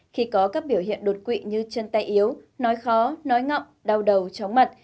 khi có các biểu hiện đột quỵ như chân tay yếu nói khó nói ngọng đau đầu chóng mặt